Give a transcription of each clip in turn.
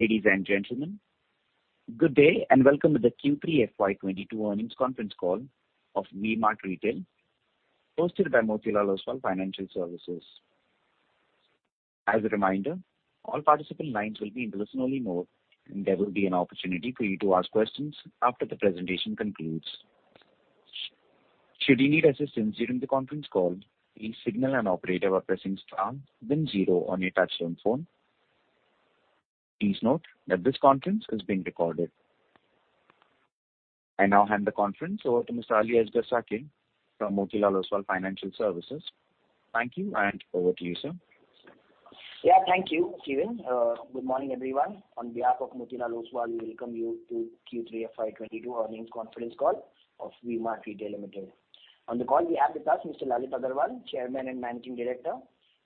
Ladies and gentlemen, good day, and welcome to the Q3 FY 2022 Earnings Conference Call of V-Mart Retail, hosted by Motilal Oswal Financial Services. As a reminder, all participant lines will be in listen-only mode, and there will be an opportunity for you to ask questions after the presentation concludes. Should you need assistance during the conference call, please signal an operator by pressing star then zero on your touchtone phone. Please note that this conference is being recorded. I now hand the conference over to Mr. Aliasgar Shakir from Motilal Oswal Financial Services. Thank you, and over to you, sir. Yeah. Thank you, Kevin. Good morning, everyone. On behalf of Motilal Oswal, we welcome you to Q3 FY22 Earnings Conference Call of V-Mart Retail Limited. On the call we have with us Mr. Lalit Agarwal, Chairman and Managing Director,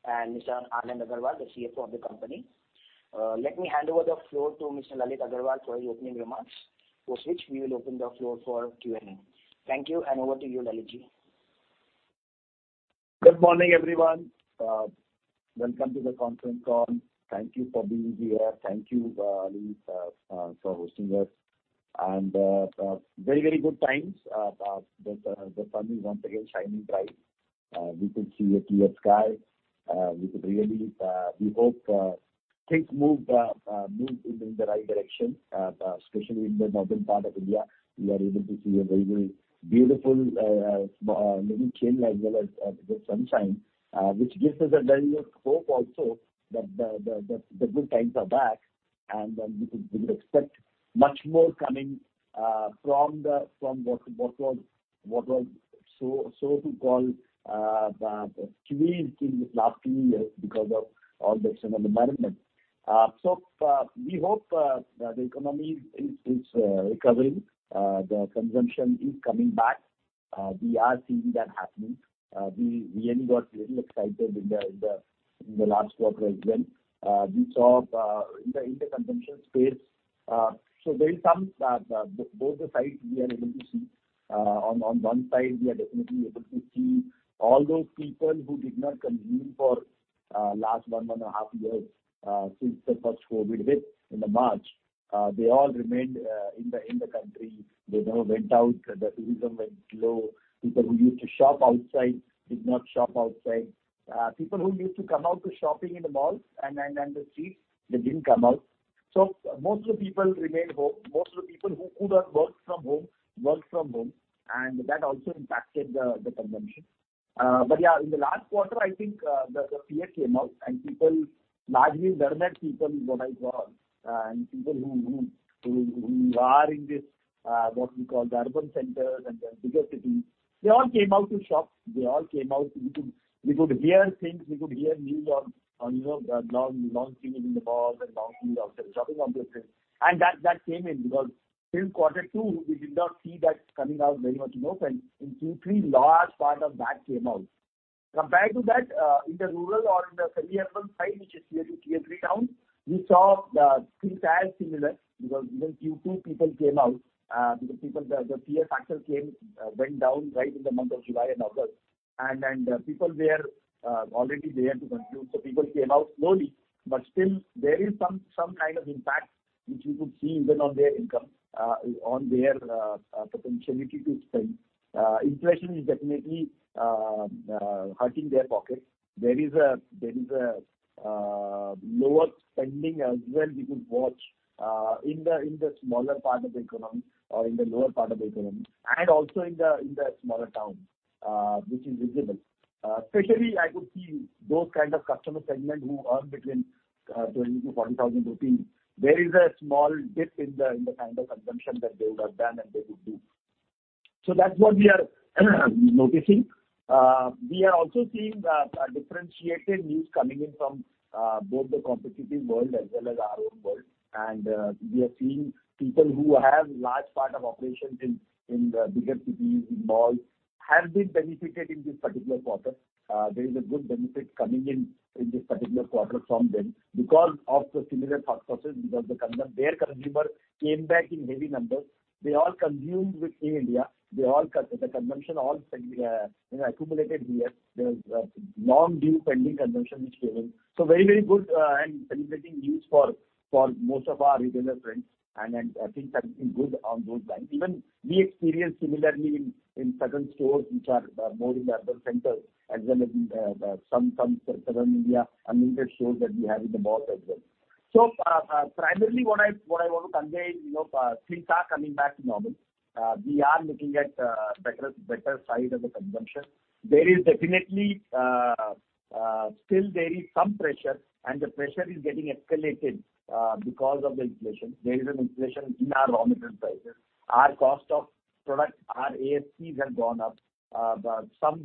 and Mr. Anand Agarwal, the CFO of the company. Let me hand over the floor to Mr. Lalit Agarwal for his opening remarks, after which we will open the floor for Q&A. Thank you, and over to you, Lalitji. Good morning, everyone. Welcome to the conference call. Thank you for being here. Thank you, Ali, for hosting us. Very good times. The sun is once again shining bright. We could see a clear sky. We could really hope things move in the right direction, especially in the northern part of India. We are able to see a very beautiful maybe chill as well as the sunshine, which gives us a very hope also that the good times are back, and then we could expect much more coming from what was so to call the chill in the last two years because of all the external environment. We hope that the economy is recovering. The consumption is coming back. We are seeing that happening. We really got excited in the last quarter as well. We saw in the consumption space, so there is some, the both sides we are able to see. On one side, we are definitely able to see all those people who did not consume for last one and a half years since the first COVID wave in March, they all remained in the country. They never went out. The tourism went low. People who used to shop outside did not shop outside. People who used to come out to shopping in the malls and the streets, they didn't come out. Most of the people remained home. Most of the people who could have worked from home, worked from home. That also impacted the consumption. Yeah, in the last quarter, I think, the fear came out and people, largely government people is what I call, and people who are in this, what we call the urban centers and the bigger cities, they all came out to shop. They all came out. We could hear things. We could hear news on, you know, long queues in the malls and long queues outside shopping complexes. That came in because in Q2 we did not see that coming out very much in open. In Q3, large part of that came out. Compared to that, in the rural or in the semi-urban side, which is Tier 2, Tier 3 towns, we saw the things as similar because even Q2 people came out, because the fear factor came down right in the month of July and August. People were already there to consume, so people came out slowly, but still there is some kind of impact which we could see even on their income, on their potentiality to spend. Inflation is definitely hurting their pockets. There is lower spending as well we could see in the smaller part of the economy or in the lower part of the economy, and also in the smaller towns, which is visible. Especially, I could see those kind of customer segment who earn between 20,000 to 40,000 rupees, there is a small dip in the kind of consumption that they would have done and they would do. That's what we are noticing. We are also seeing differentiated news coming in from both the competitive world as well as our own world. We are seeing people who have large part of operations in the bigger cities, in malls, have been benefited in this particular quarter. There is a good benefit coming in this particular quarter from them because of the similar thought process, because their consumer came back in heavy numbers. They all consumed within India. The consumption all spent, you know, accumulated here. There was long due pending consumption which came in. Very good and benefiting news for most of our retailer friends. I think that has been good on those lines. Even we experienced similarly in certain stores which are more in the urban centers as well as in some southern India and in the stores that we have in the malls as well. Primarily what I want to convey is, you know, things are coming back to normal. We are looking at better side of the consumption. There is definitely still there is some pressure, and the pressure is getting escalated because of the inflation. There is an inflation in our raw material prices. Our cost of product, our ASPs have gone up, some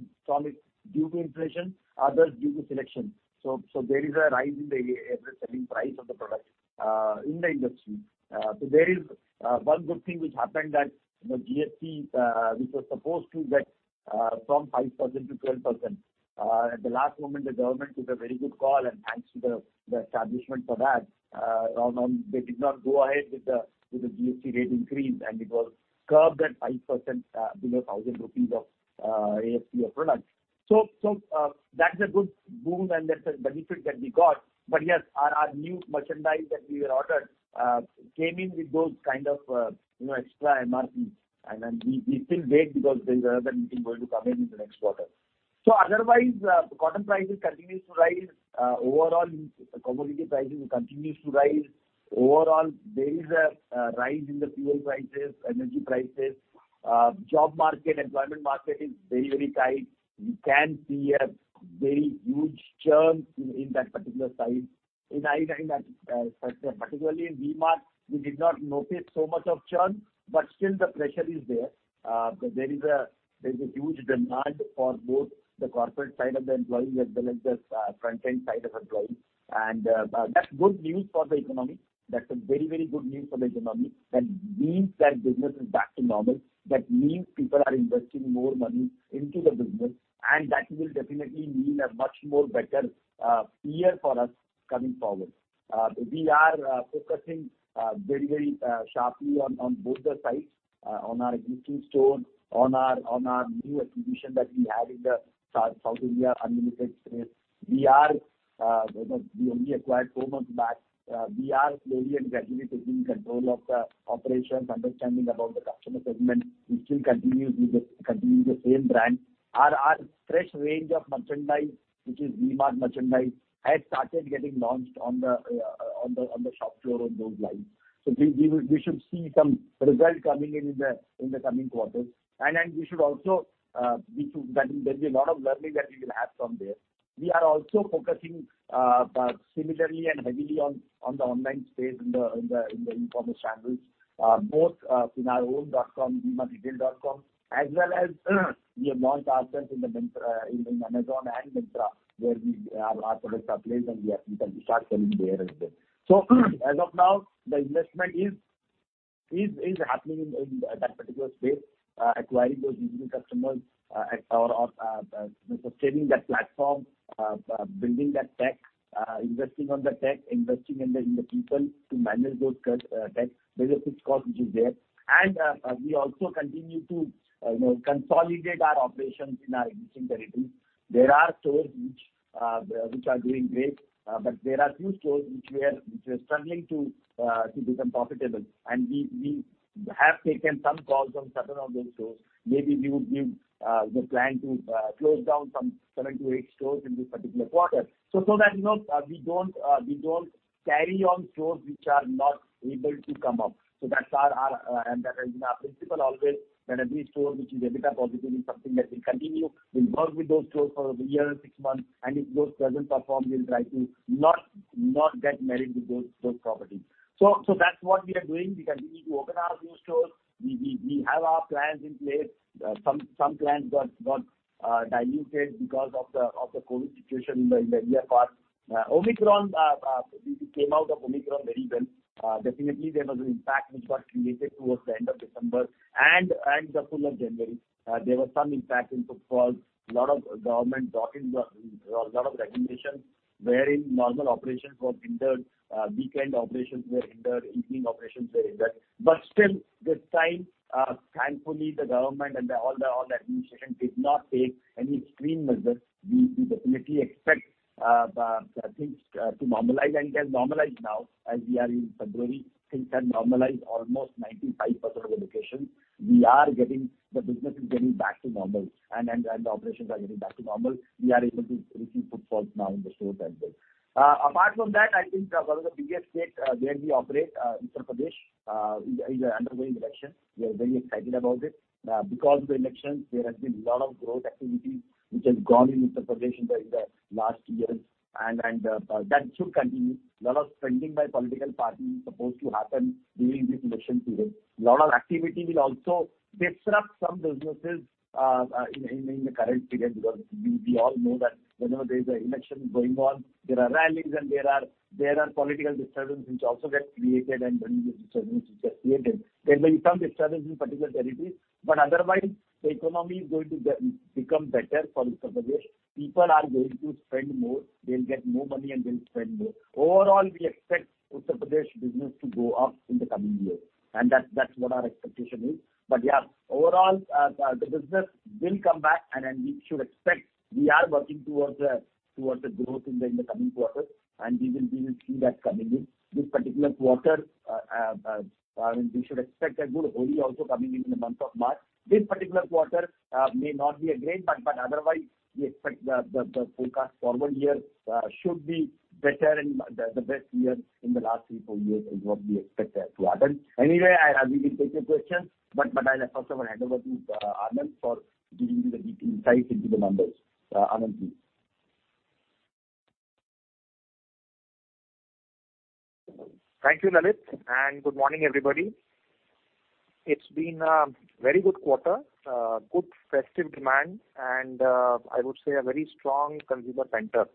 is due to inflation, others due to selection. There is a rise in the average selling price of the product in the industry. One good thing which happened that the GST which was supposed to go up from 5% to 12%. At the last moment, the government took a very good call, and thanks to the establishment for that. All in all, they did not go ahead with the GST rate increase, and it was curbed at 5%, below 1,000 rupees of ASP of product. That's a good boon and that's a benefit that we got. Yes, our new merchandise that we had ordered came in with those kind of, you know, extra MRP. Then we still wait because there's another merchandise going to come in in the next quarter. Otherwise, the cotton prices continues to rise. Overall commodity prices continues to rise. Overall, there is a rise in the fuel prices, energy prices. Job market, employment market is very, very tight. You can see a very huge churn in that particular side. In that sector, particularly in V-Mart, we did not notice so much of churn, but still the pressure is there. There is a huge demand for both the corporate side of the employees as well as the front-end side of employees. That's good news for the economy. That's very good news for the economy. That means that business is back to normal. That means people are investing more money into the business, and that will definitely mean a much more better year for us coming forward. We are focusing very sharply on both sides, on our existing store, on our new acquisition that we had in the South India Unlimited space. You know, we only acquired four months back. We are slowly and gradually taking control of the operations, understanding about the customer segment, which still continues with the same brand. Our fresh range of merchandise, which is V-Mart merchandise, has started getting launched on the shop floor on those lines. We will see some result coming in the coming quarters. We should also see that there'll be a lot of learning that we will have from there. We are also focusing similarly and heavily on the online space in the e-commerce channels, both in our own.com, vmartretail.com, as well as we have launched ourselves in Myntra, in Amazon and Myntra, where our products are placed, and we can start selling there as well. As of now, the investment is happening in that particular space, acquiring those new customers at our, you know, sustaining that platform, building that tech, investing on the tech, investing in the people to manage those tech. There's a fixed cost which is there. We also continue to, you know, consolidate our operations in our existing territories. There are stores which are doing great, but there are few stores which are struggling to become profitable. We have taken some calls on certain of those stores. Maybe we would be, you know, planning to close down some seven to eight stores in this particular quarter. So that you know we don't carry on stores which are not able to come up. That's our principle always that every store which is EBITDA positive is something that we continue. We work with those stores for over a year and six months, and if those doesn't perform, we'll try to not get married with those properties. That's what we are doing. We continue to organize new stores. We have our plans in place. Some plans got diluted because of the COVID situation in the year past. We came out of Omicron very well. Definitely there was an impact which got created towards the end of December and the full of January. There was some impact in footfalls. A lot of regulations wherein normal operations were hindered, weekend operations were hindered, evening operations were hindered. Still, this time, thankfully, the government and the administration did not take any extreme measures. We definitely expect things to normalize, and they've normalized now as we are in February. Things have normalized almost 95% of the locations. We are getting the business back to normal and the operations are getting back to normal. We are able to receive footfalls now in the stores as well. Apart from that, I think one of the biggest state where we operate, Uttar Pradesh, is undergoing elections. We are very excited about it. Because of the elections, there has been lot of growth activities which has gone in Uttar Pradesh in the last years, and that should continue. Lot of spending by political parties supposed to happen during this election period. Lot of activity will also disrupt some businesses in the current period because we all know that whenever there is an election going on, there are rallies and there are political disturbance which also get created, and during these disturbance which get created, there may be some disturbance in particular territories, but otherwise the economy is going to become better for Uttar Pradesh. People are going to spend more. They'll get more money, and they'll spend more. Overall, we expect Uttar Pradesh business to go up in the coming years, and that's what our expectation is. Yeah, overall, the business will come back and then we should expect. We are working towards the growth in the coming quarters, and we will see that coming in. This particular quarter, I mean, we should expect a good Holi also coming in in the month of March. This particular quarter may not be great, but otherwise we expect the forecast forward years should be better and the best years in the last three, four years is what we expect to happen. Anyway, I will take your questions, but I'll first of all hand over to Anand for giving you the detailed insights into the numbers. Anand, please. Thank you, Lalit, and good morning, everybody. It's been a very good quarter, a good festive demand and, I would say a very strong consumer sentiment.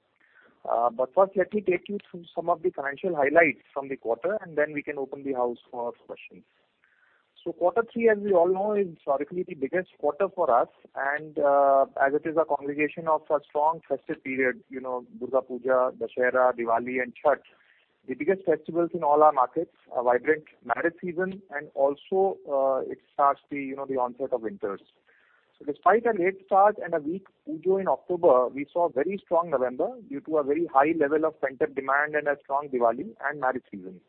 First, let me take you through some of the financial highlights from the quarter, and then we can open the floor for questions. Q3, as we all know, is historically the biggest quarter for us and, as it is a congregation of a strong festive period, you know, Durga Puja, Dussehra, Diwali, and Chhath, the biggest festivals in all our markets, a vibrant marriage season, and also, it starts the, you know, the onset of winters. Despite a late start and a weak pujo in October, we saw very strong November due to a very high level of pent-up demand and a strong Diwali and marriage season.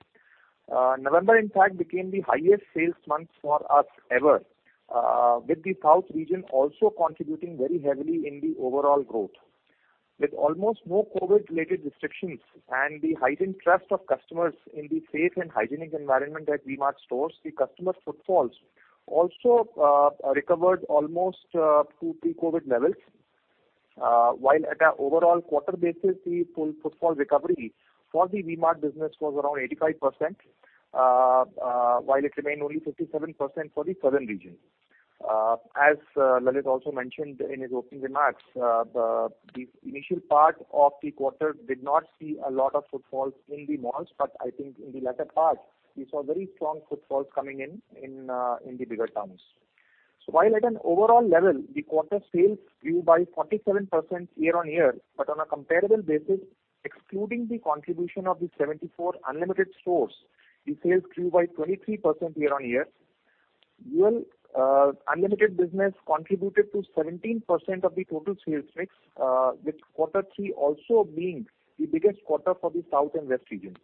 November, in fact, became the highest sales month for us ever, with the South region also contributing very heavily in the overall growth. With almost no COVID-related restrictions and the heightened trust of customers in the safe and hygienic environment at V-Mart stores, the customer footfalls also recovered almost to pre-COVID levels. While on an overall quarter basis, the full footfall recovery for the V-Mart business was around 85%, while it remained only 57% for the Southern region. As Lalit also mentioned in his opening remarks, the initial part of the quarter did not see a lot of footfalls in the malls, but I think in the latter part we saw very strong footfalls coming in in the bigger towns. While at an overall level, the quarter sales grew by 47% year-on-year, but on a comparable basis, excluding the contribution of the 74 Unlimited stores, the sales grew by 23% year-on-year. Unlimited business contributed to 17% of the total sales mix, Q3 also being the biggest quarter for the South and West regions.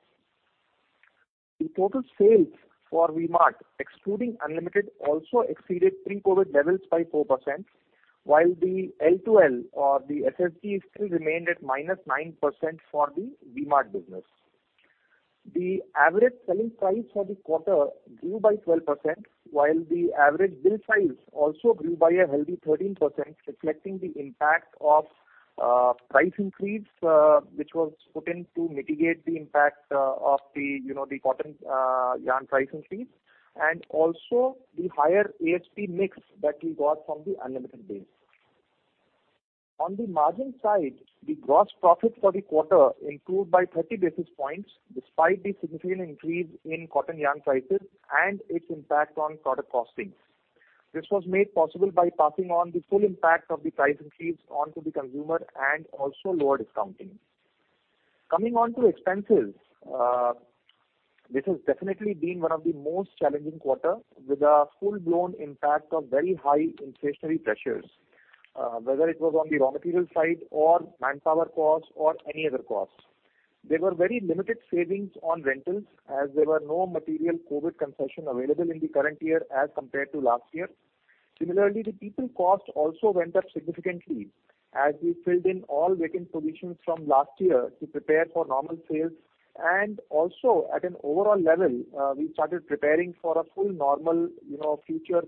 The total sales for V-Mart, excluding Unlimited, also exceeded pre-COVID levels by 4%, while the LTL or the SSG still remained at -9% for the V-Mart business. The average selling price for the quarter grew by 12%, while the average bill size also grew by a healthy 13%, reflecting the impact of price increase which was put in to mitigate the impact of the cotton yarn price increase and also the higher ASP mix that we got from the Unlimited base. On the margin side, the gross profit for the quarter improved by 30 basis points despite the significant increase in cotton yarn prices and its impact on product costing. This was made possible by passing on the full impact of the price increase onto the consumer and also lower discounting. Coming on to expenses, this has definitely been one of the most challenging quarters with a full-blown impact of very high inflationary pressures, whether it was on the raw material side or manpower costs or any other costs. There were very limited savings on rentals as there were no material COVID concessions available in the current year as compared to last year. Similarly, the people cost also went up significantly as we filled in all vacant positions from last year to prepare for normal sales and also at an overall level, we started preparing for a full normal, you know, future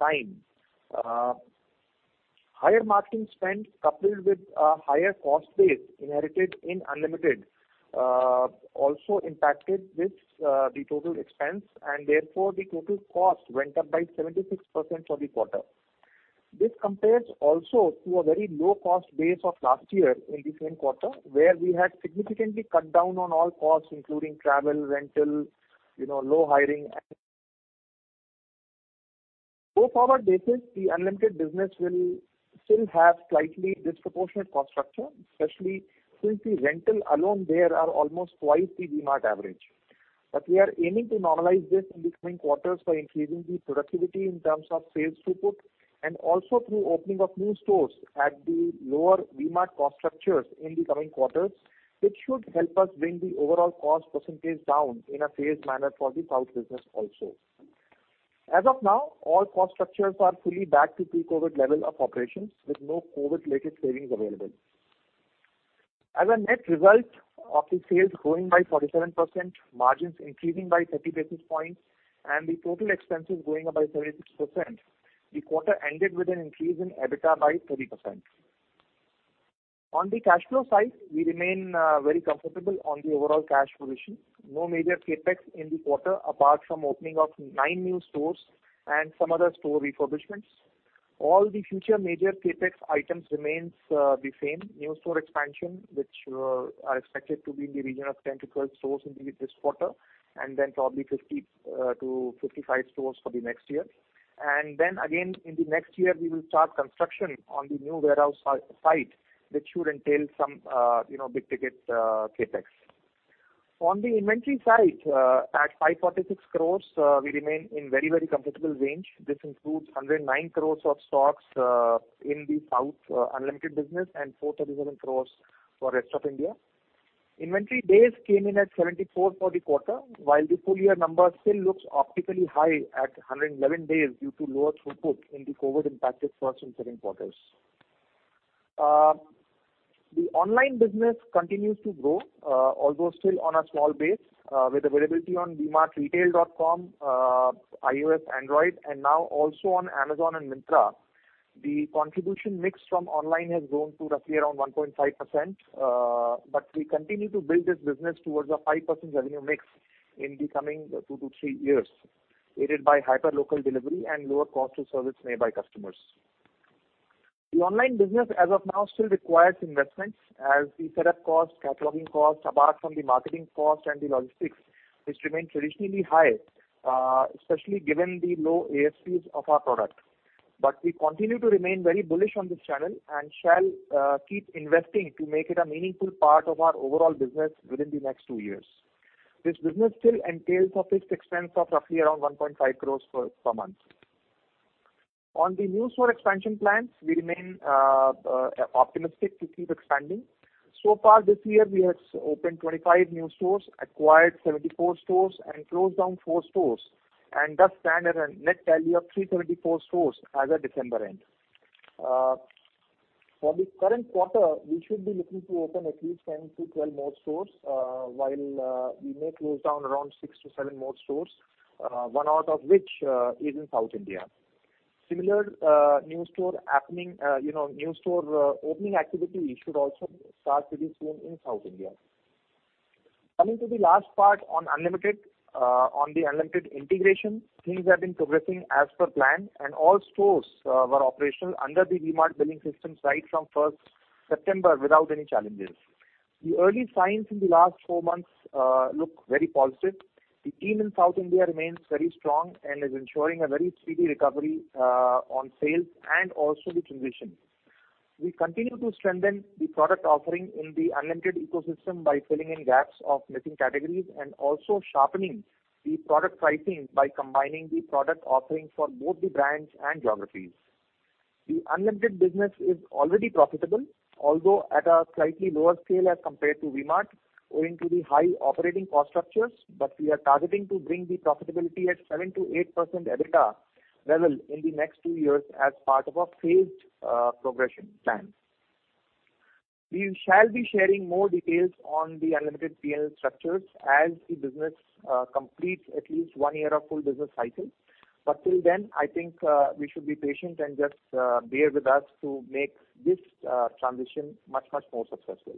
time. Higher marketing spend coupled with a higher cost base inherited in Unlimited also impacted this, the total expense and therefore the total cost went up by 76% for the quarter. This compares also to a very low cost base of last year in the same quarter, where we had significantly cut down on all costs, including travel, rental, you know, low hiring. Going forward basis, the Unlimited business will still have slightly disproportionate cost structure, especially since the rental alone there are almost twice the D-Mart average. We are aiming to normalize this in the coming quarters by increasing the productivity in terms of sales throughput and also through opening of new stores at the lower D-Mart cost structures in the coming quarters, which should help us bring the overall cost percentage down in a phased manner for the South business also. As of now, all cost structures are fully back to pre-COVID level of operations, with no COVID-related savings available. As a net result of the sales growing by 47%, margins increasing by 30 basis points, and the total expenses going up by 76%, the quarter ended with an increase in EBITDA by 30%. On the cash flow side, we remain very comfortable on the overall cash position. No major CapEx in the quarter apart from opening of nine new stores and some other store refurbishments. All the future major CapEx items remains the same. New store expansion, which are expected to be in the region of 10 to 12 stores in this quarter, and then probably 50 to 55 stores for the next year. Then again, in the next year, we will start construction on the new warehouse site, which should entail some you know big-ticket CapEx. On the inventory side, at 546 crores, we remain in very, very comfortable range. This includes 109 crores of stocks in the South, Unlimited business, and 437 crores for rest of India. Inventory days came in at 74 for the quarter, while the full year number still looks optically high at 111 days due to lower throughput in the COVID impacted first and second quarters. The online business continues to grow, although still on a small base, with availability on vmartretail.com, iOS, Android and now also on Amazon and Myntra. The contribution mix from online has grown to roughly around 1.5%, but we continue to build this business towards a 5% revenue mix in the coming two to three years, aided by hyperlocal delivery and lower cost to service nearby customers. The online business as of now still requires investments as the setup costs, cataloging costs, apart from the marketing cost and the logistics, which remain traditionally high, especially given the low ASPs of our product. We continue to remain very bullish on this channel and shall keep investing to make it a meaningful part of our overall business within the next two years. This business still entails a fixed expense of roughly around 1.5 crores per month. On the new store expansion plans, we remain optimistic to keep expanding. So far this year, we have opened 25 new stores, acquired 74 stores and closed down four stores, and thus stand at a net tally of 374 stores as at December end. For the current quarter, we should be looking to open at least 10 to 12 more stores, while we may close down around six to seven more stores, one out of which is in South India. Similar new store opening activity should also start pretty soon in South India. Coming to the last part on Unlimited. On the Unlimited integration, things have been progressing as per plan, and all stores were operational under the V-Mart billing system right from first September without any challenges. The early signs in the last four months look very positive. The team in South India remains very strong and is ensuring a very speedy recovery on sales and also the transition. We continue to strengthen the product offering in the Unlimited ecosystem by filling in gaps of missing categories and also sharpening the product pricing by combining the product offerings for both the brands and geographies. The Unlimited business is already profitable, although at a slightly lower scale as compared to V-Mart, owing to the high operating cost structures. We are targeting to bring the profitability at 7% to 8% EBITDA level in the next two years as part of a phased progression plan. We shall be sharing more details on the Unlimited P&L structures as the business completes at least one year of full business cycle. Till then, I think we should be patient and just bear with us to make this transition much more successful.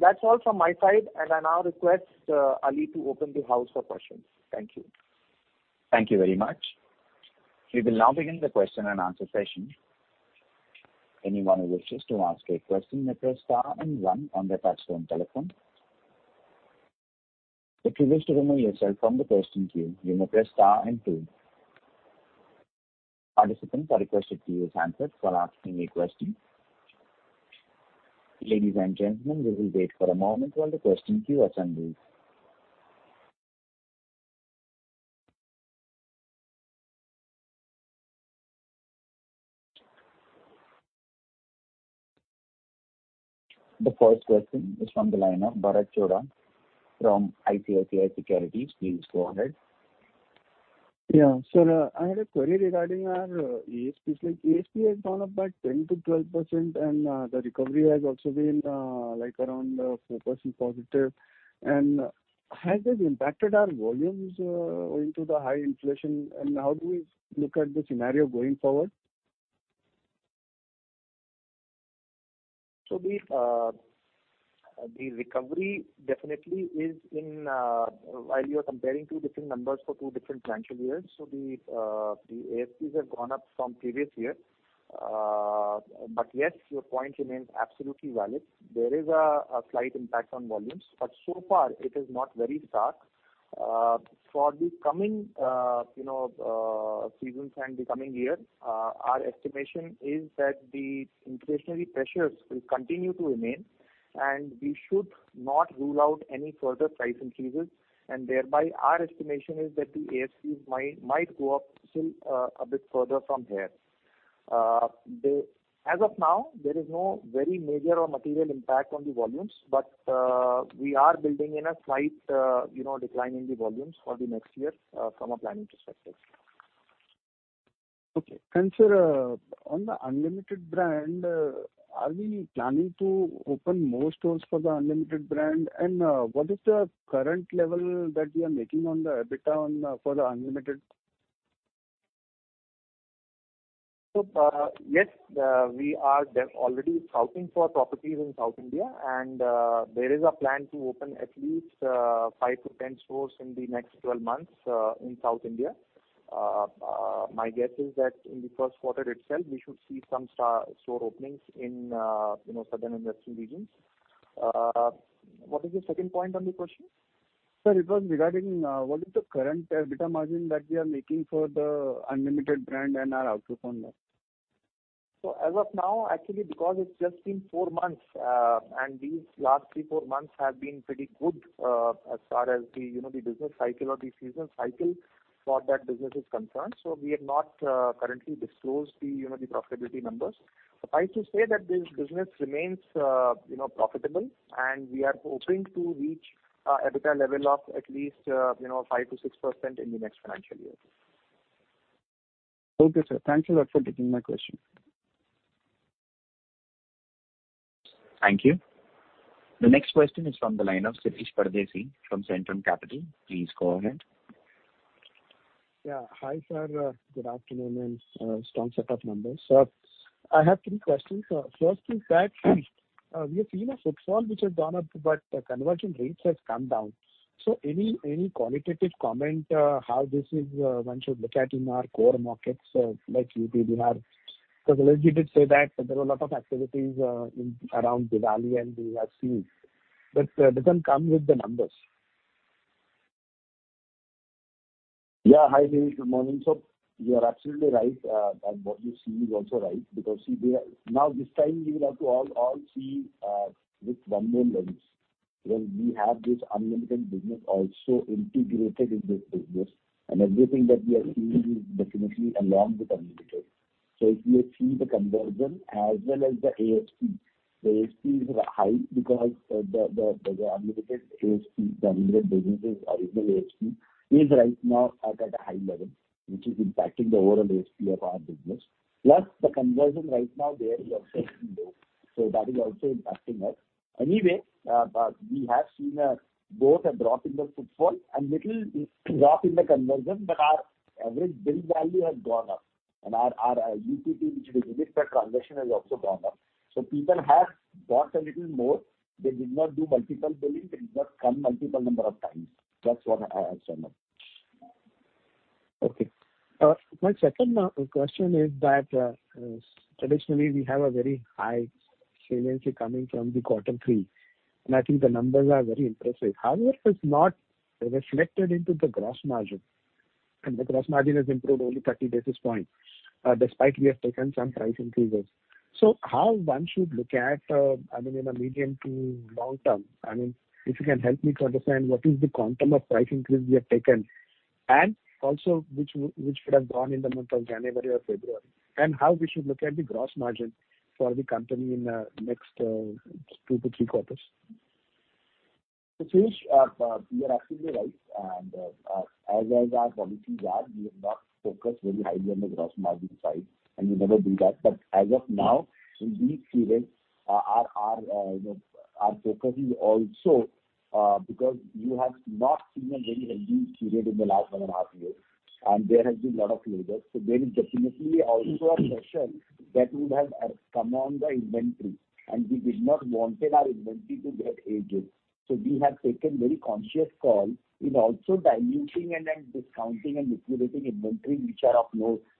That's all from my side. I now request Ali to open the house for questions. Thank you. Thank you very much. We will now begin the Q&A session. Anyone who wishes to ask a question may press star and one on their touchtone telephone. If you wish to remove yourself from the question queue, you may press star and two. Participants are requested to use handsets for asking a question. Ladies and gentlemen, we will wait for a moment while the question queue assembles. The first question is from the line of Bharat Chhoda from ICICI Securities. Please go ahead. Yeah. Sir, I had a query regarding our ASPs. Like, ASP has gone up by 10% to 12%, and the recovery has also been like around 4% positive. Has it impacted our volumes owing to the high inflation, and how do we look at the scenario going forward? The recovery definitely is in. While you are comparing two different numbers for two different financial years. The ASPs have gone up from previous year. Yes, your point remains absolutely valid. There is a slight impact on volumes, but so far it is not very stark. For the coming, you know, seasons and the coming year, our estimation is that the inflationary pressures will continue to remain, and we should not rule out any further price increases. Thereby our estimation is that the ASPs might go up still a bit further from here. As of now, there is no very major or material impact on the volumes. We are building in a slight, you know, decline in the volumes for the next year from a planning perspective. Okay. Sir, on the Unlimited brand, are we planning to open more stores for the Unlimited brand? What is the current level that we are making on the EBITDA on for the Unlimited? Yes, we are already scouting for properties in South India, and there is a plan to open at least five to 10 stores in the next 12 months in South India. My guess is that in the Q1 itself we should see some store openings in, you know, southern and western regions. What is the second point on the question? Sir, it was regarding what is the current EBITDA margin that we are making for the Unlimited brand and our outlook on that? As of now, actually because it's just been four months, and these last three to four months have been pretty good, as far as the, you know, the business cycle or the season cycle for that business is concerned. We have not currently disclosed the, you know, the profitability numbers. Suffice to say that this business remains, you know, profitable, and we are hoping to reach EBITDA level of at least, you know, 5% to 6% in the next financial year. Okay, sir. Thank you a lot for taking my question. Thank you. The next question is from the line of Shirish Pardeshi from Centrum Broking. Please go ahead. Yeah. Hi, sir. Good afternoon, and strong set of numbers. I have three questions. First is that we have seen a footfall which has gone up, but conversion rates has come down. Any qualitative comment how this is one should look at in our core markets like UP or. Because Lalitji did say that there were a lot of activities in and around Diwali, and we have seen it doesn't come with the numbers. Yeah. Hi, Shirish. Good morning, sir. You are absolutely right. What you've seen is also right because see, we are now this time you will have to all see with one lens, because we have this Unlimited business also integrated in this business. Everything that we are seeing is definitely along with Unlimited. If you have seen the conversion as well as the ASP. The ASP is high because the Unlimited ASP, the Unlimited business' original ASP is right now at a high level, which is impacting the overall ASP of our business. Plus the conversion right now there is also low, so that is also impacting us. We have seen both a drop in the footfall and little drop in the conversion, but our average bill value has gone up and our UP, which is unit per transaction, has also gone up. People have bought a little more. They did not do multiple billing. They did not come multiple number of times. That's what I've seen. Okay. My second question is that traditionally we have a very high resiliency coming from the quarter three, and I think the numbers are very impressive. However, it's not reflected into the gross margin, and the gross margin has improved only 30 basis points, despite we have taken some price increases. How one should look at, I mean, in a medium to long term. I mean, if you can help me to understand what is the quantum of price increase we have taken, and also which would have gone in the month of January or February, and how we should look at the gross margin for the company in the next two to three quarters. Shirish, you are absolutely right. As our policies are, we have not focused very highly on the gross margin side, and we never do that. As of now, in this period, our focus is also you know because you have not seen a very healthy period in the last one and a half years, and there has been lot of closures. There is definitely also a pressure that would have come on the inventory, and we did not want our inventory to get aged. We have taken very conscious call in also diluting and then discounting and liquidating inventory which are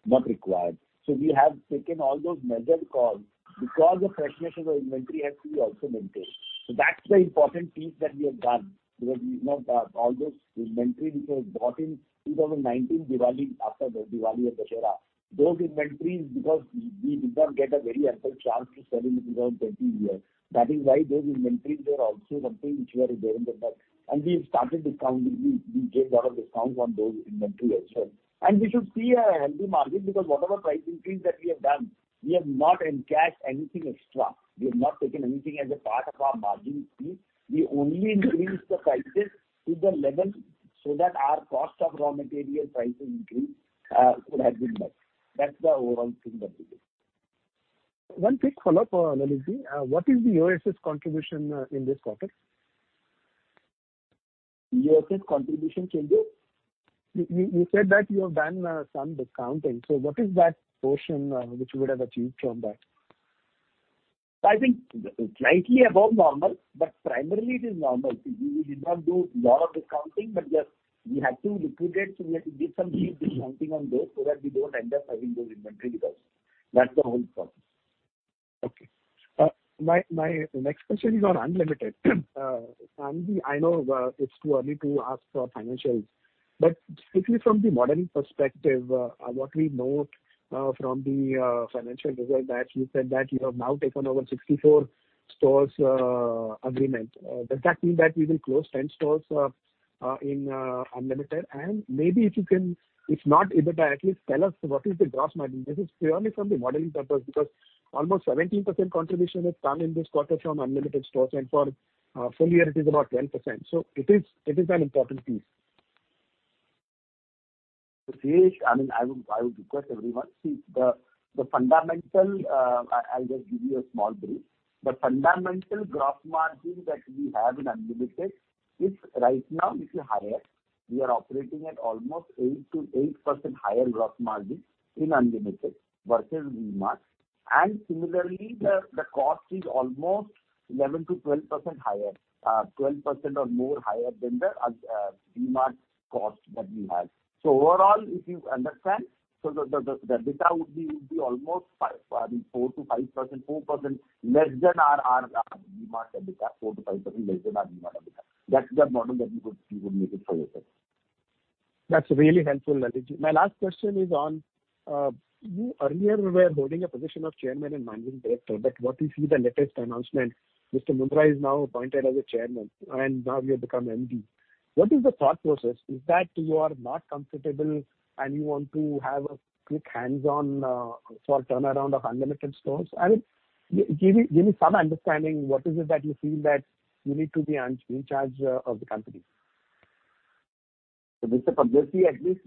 not required. We have taken all those measured calls because the freshness of the inventory has to be also maintained. That's the important piece that we have done, because, you know, the, all those inventory which was bought in 2019 Diwali, after the Diwali or Dussehra, those inventories because we did not get a very ample chance to sell in the 2020 year. That is why those inventories were also something which were bearing the burden. We've started discounting. We gave lot of discounts on those inventory as well. We should see a healthy margin because whatever price increase that we have done, we have not encased anything extra. We have not taken anything as a part of our margin fee. We only increased the prices to the level so that our cost of raw material price increase could have been met. That's the overall thing that we did. One quick follow-up for Lalitji. What is the OSS contribution in this quarter? OSS contribution change? You said that you have done some discounting. What is that portion which you would have achieved from that? I think slightly above normal, but primarily it is normal. See, we did not do lot of discounting, but just we had to liquidate, so we had to give some cheap discounting on those so that we don't end up having those inventory with us. That's the whole purpose. Okay. My next question is on Unlimited. I know it's too early to ask for financials, but strictly from the modeling perspective, what we note from the financial result that you said that you have now taken over 64 stores agreement. Does that mean that you will close 10 stores in Unlimited? Maybe if you can, if not EBITDA, at least tell us what is the gross margin. This is purely from the modeling purpose, because almost 17% contribution has come in this quarter from Unlimited stores. For full year it is about 10%. It is an important piece. Shirish, I mean, I would request everyone. See the fundamental, I'll just give you a small brief. The fundamental gross margin that we have in Unlimited is right now, it is higher. We are operating at almost 8% to 8% higher gross margin in Unlimited versus V-Mart. Similarly, the cost is almost 11% to 12% higher. 12% or more higher than the V-Mart cost that we have. Overall, if you understand. The EBITDA would be almost 4% to 5%, 4% less than our V-Mart EBITDA. 4% to 5% less than our V-Mart EBITDA. That's the model that you could make it for yourself. That's really helpful, Lalitji. My last question is on you earlier were holding a position of Chairman and Managing Director. But what we see the latest announcement, Mr. Munjal is now appointed as a Chairman and now you have become MD. What is the thought process? Is that you are not comfortable and you want to have a quick hands-on for turnaround of Unlimited stores? And give me some understanding what is it that you feel that you need to be in charge of the company. Mr. Pankaj, at least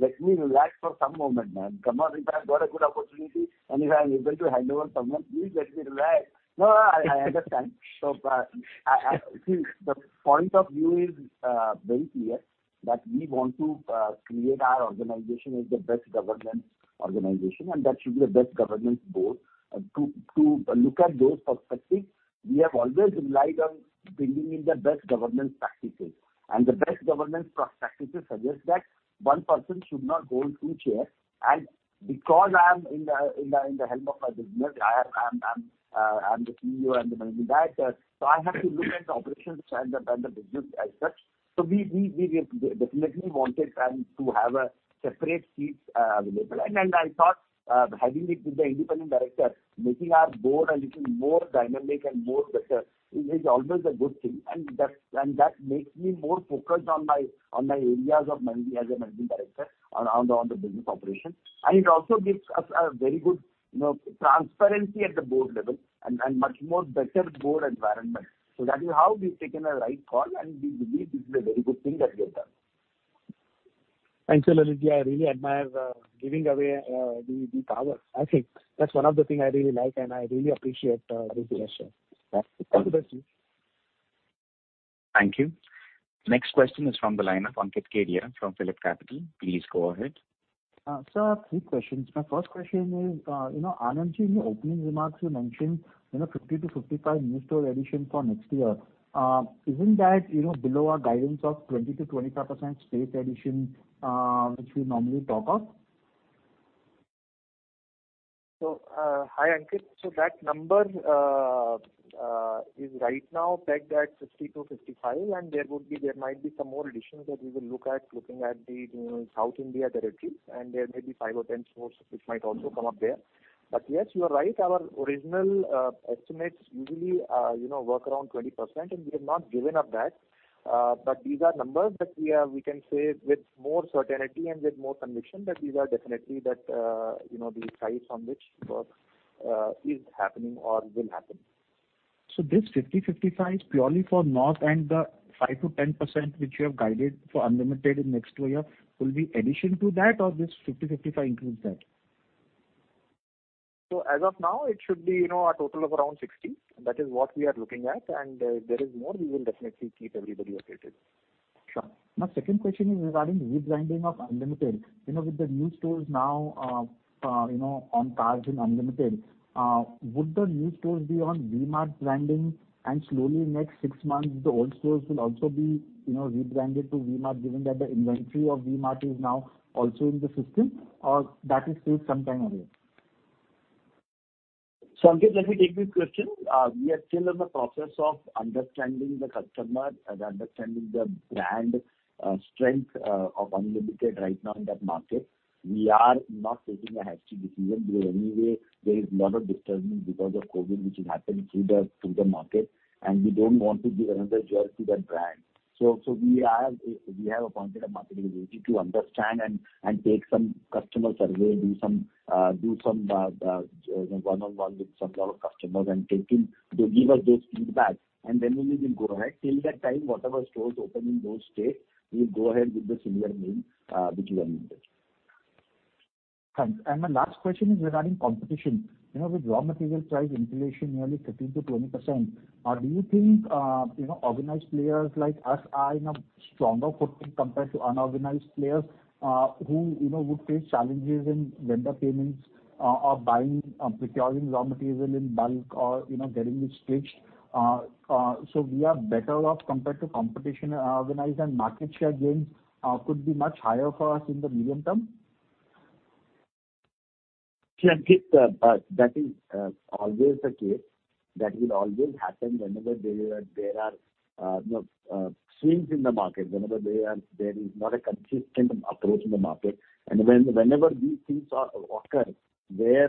let me relax for some moment, man. Come on, if I've got a good opportunity and if I'm able to hand over someone, please let me relax. No, I understand. See, the point of view is very clear that we want to create our organization as the best governance organization, and that should be the best governance board. To look at those perspectives, we have always relied on bringing in the best governance practices. The best governance practices suggest that one person should not hold two chairs. Because I am at the helm of our business, I am the CEO and Managing Director, so I have to look at the operations and the business as such. We definitely wanted to have separate seats available. I thought, having it with the independent director, making our board a little more dynamic and more better is always a good thing. That makes me more focused on my areas of managing as a managing director on the business operations. It also gives us a very good, you know, transparency at the board level and much more better board environment. That is how we've taken a right call, and we believe this is a very good thing that we have done. Thanks a lot, Lalit. I really admire giving away the power. I think that's one of the thing I really like, and I really appreciate this gesture. Yeah. All the best to you. Thank you. Next question is from the line of Ankit Kedia from PhillipCapital. Please go ahead. Sir, three questions. My first question is, you know, Anand Agarwal, in your opening remarks you mentioned, you know, 50 to 55 new store addition for next year. Isn't that, you know, below our guidance of 20% to 25% space addition, which we normally talk of? Hi, Ankit. That number is right now pegged at 50 to 55, and there might be some more additions that we will look at, looking at the, you know, South India territories, and there may be five or 10 stores which might also come up there. Yes, you are right. Our original estimates usually, you know, work around 20%, and we have not given up that. These are numbers that we can say with more certainty and with more conviction that these are definitely that, you know, the size on which work is happening or will happen. This 50 to 55 is purely for North and the 5% to 10% which you have guided for Unlimited in next two years will be addition to that or this 50 to 55 includes that? As of now it should be, you know, a total of around 60. That is what we are looking at, and, if there is more, we will definitely keep everybody updated. Sure. My second question is regarding rebranding of Unlimited. You know, with the new stores now, you know, on cards in Unlimited, would the new stores be on V-Mart branding and slowly next six months the old stores will also be, you know, rebranded to V-Mart given that the inventory of V-Mart is now also in the system or that is still some time away? Ankit, let me take this question. We are still in the process of understanding the customer and understanding the brand strength of Unlimited right now in that market. We are not taking a hasty decision because anyway there is a lot of disturbance because of COVID which has happened through the market, and we don't want to give another jerk to that brand. We have appointed a marketing agency to understand and take some customer survey, do some you know, one-on-one with a lot of customers and taking to give us those feedback, and then only we'll go ahead. Till that time, whatever stores open in those states, we'll go ahead with the similar name which is Unlimited. Thanks. My last question is regarding competition. You know, with raw material price inflation nearly 13% to 20%, do you think, you know, organized players like us are in a stronger footing compared to unorganized players, who you know, would face challenges in vendor payments or buying, procuring raw material in bulk or, you know, getting it stitched? We are better off compared to competition organized and market share gains could be much higher for us in the medium term? Yeah, Ankit, that is always the case. That will always happen whenever there are you know swings in the market, whenever there is not a consistent approach in the market. When whenever these things occur, where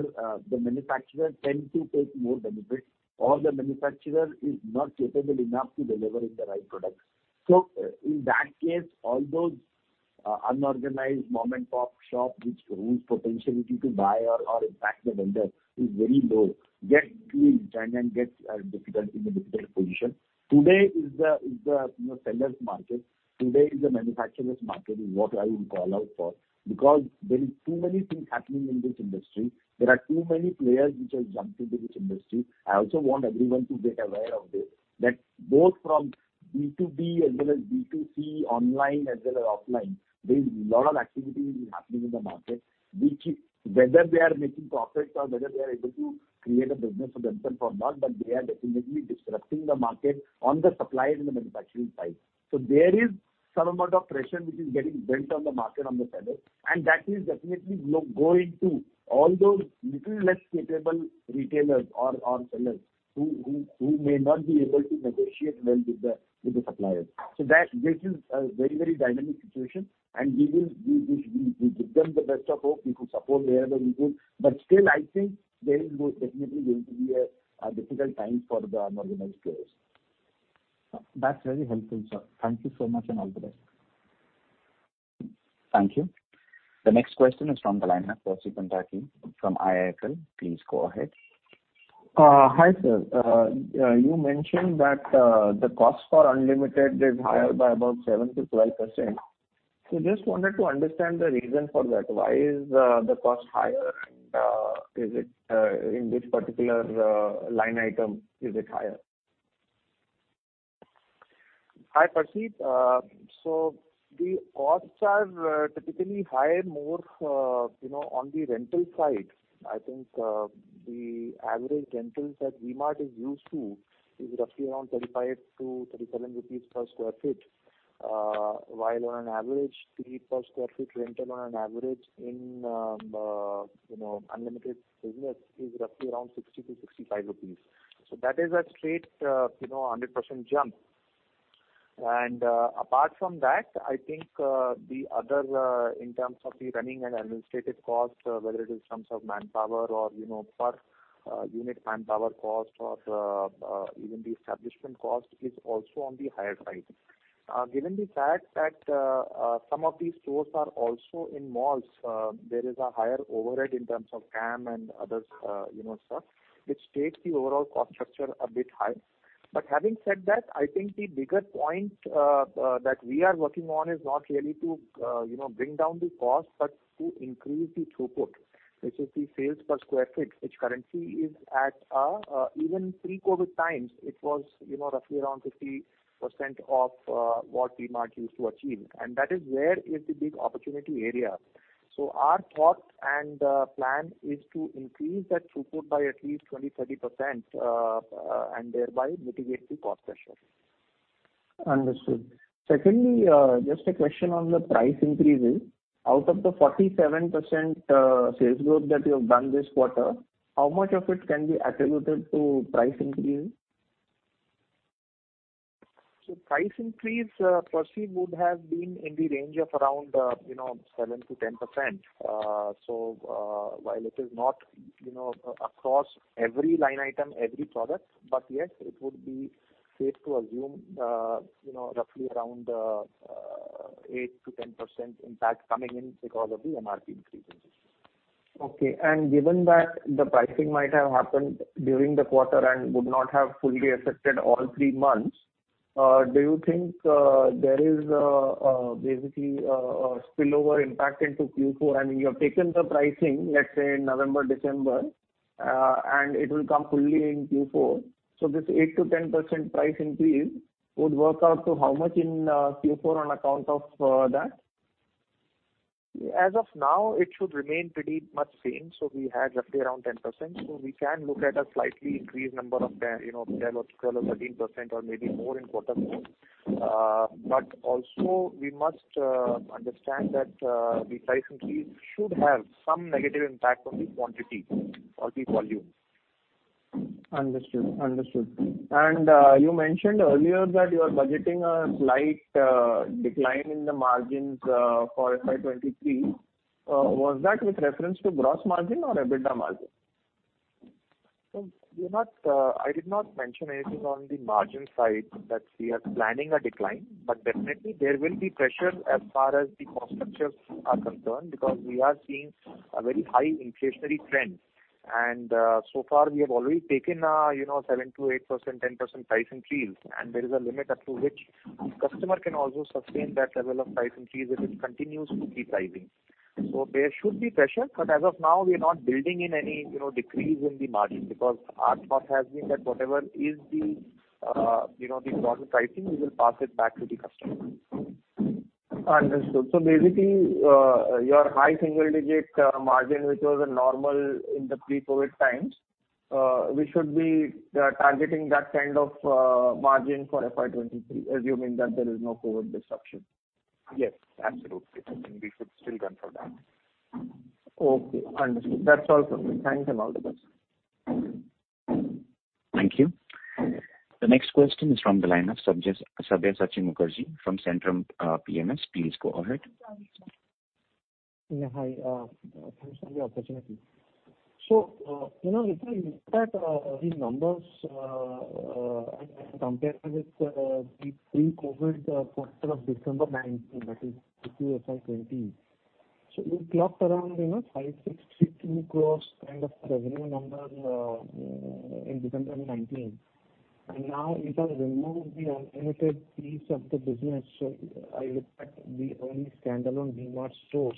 the manufacturer tend to take more benefit or the manufacturer is not capable enough to deliver in the right products. In that case, all those unorganized mom-and-pop shop whose potentiality to buy or impact the vendor is very low will turn and get difficult in a difficult position. Today is the you know seller's market. Today is the manufacturer's market is what I would call out for because there is too many things happening in this industry. There are too many players which have jumped into this industry. I also want everyone to get aware of this, that both from B2B as well as B2C, online as well as offline, there is lot of activity which is happening in the market which is whether they are making profits or whether they are able to create a business for themselves or not, but they are definitely disrupting the market on the supply and the manufacturing side. There is some amount of pressure which is getting bent on the market on the sellers, and that is definitely going to all those little less capable retailers or sellers who may not be able to negotiate well with the suppliers. That, this is a very, very dynamic situation and we will give them the best of hope. We could support wherever we could. Still I think there is definitely going to be a difficult time for the unorganized players. That's very helpful, sir. Thank you so much and all the best. Thank you. The next question is from the line of Percy Panthaki from IIFL. Please go ahead. Hi, sir. You mentioned that the cost for Unlimited is higher by about 7% to 12%. Just wanted to understand the reason for that. Why is the cost higher? And, is it in this particular line item, is it higher? Hi, Percy. The costs are typically higher, more you know, on the rental side. I think the average rentals that V-Mart is used to is roughly around 35 to 37 rupees per sq ft. While on an average, thirty per square foot rental on an average in Unlimited business is roughly around 60 to 65 rupees. That is a straight 100% jump. Apart from that, I think the other in terms of the running and administrative costs, whether it is in terms of manpower or you know, per unit manpower cost or even the establishment cost is also on the higher side. Given the fact that some of these stores are also in malls, there is a higher overhead in terms of CAM and other, you know, stuff, which takes the overall cost structure a bit high. Having said that, I think the bigger point that we are working on is not really to, you know, bring down the cost, but to increase the throughput, which is the sales per square foot, which currently is at, even pre-COVID times, it was, you know, roughly around 50% of what V-Mart used to achieve. And that is where is the big opportunity area. Our thought and plan is to increase that throughput by at least 20% to 30%, and thereby mitigate the cost pressure. Understood. Secondly, just a question on the price increases. Out of the 47%, sales growth that you have done this quarter, how much of it can be attributed to price increases? Price increase, Percy, would have been in the range of around, you know, 7% to 10%. While it is not, you know, across every line item, every product, but yes, it would be safe to assume, you know, roughly around 8% to 10% impact coming in because of the MRP increases. Okay. Given that the pricing might have happened during the quarter and would not have fully affected all three months, do you think there is basically a spillover impact into Q4? I mean, you have taken the pricing, let's say, in November, December, and it will come fully in Q4. This 8% to 10% price increase would work out to how much in Q4 on account of that? As of now, it should remain pretty much same. We had roughly around 10%. We can look at a slightly increased number of 10%, you know, 10% or 12% or 13% or maybe more in quarter four. But also we must understand that the price increase should have some negative impact on the quantity or the volume. Understood. You mentioned earlier that you are budgeting a slight decline in the margins for FY 2023. Was that with reference to gross margin or EBITDA margin? We're not. I did not mention anything on the margin side that we are planning a decline, but definitely there will be pressure as far as the cost structures are concerned, because we are seeing a very high inflationary trend. So far we have already taken, you know, 7% to 8%, 10% price increase. There is a limit up to which customer can also sustain that level of price increase if it continues to keep rising. There should be pressure, but as of now, we are not building in any, you know, decrease in the margin because our thought has been that whatever is the, you know, the raw material pricing, we will pass it back to the customer. Understood. Basically, your high single digit margin, which was a normal in the pre-COVID times, we should be targeting that kind of margin for FY 2023, assuming that there is no COVID disruption. Yes, absolutely. I mean, we should still gun for that. Okay, understood. That's all from me. Thanks and all the best. Thank you. The next question is from the line of Sabyasachi Mukherjee from Centrum PMS. Please go ahead. Yeah, hi, thanks for the opportunity. You know, if you look at these numbers and compare them with the pre-COVID quarter of December 2019, that is FY 2020. You clocked around, you know, 566.2 crores kind of revenue number in December 2019. Now if I remove the Unlimited piece of the business, so I look at the only standalone V-Mart stores,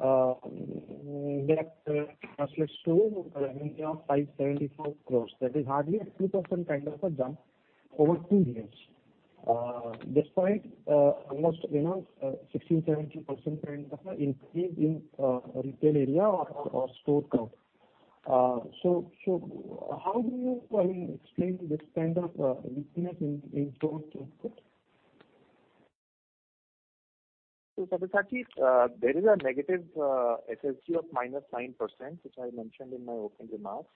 that translates to a revenue of 574 crores. That is hardly a 2% kind of a jump over two years, despite almost, you know, 16% to 17% kind of a increase in retail area or store count. How do you, I mean, explain this kind of weakness in store throughput? Sabyasachi, there is a negative SSG of -9%, which I mentioned in my opening remarks.